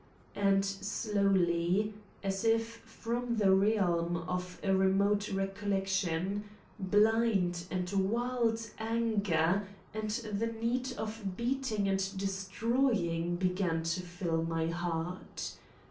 And slowly, as if from the realm of re mote recollection, blind and wild anger and the need of beating and destroying began to fill my heart.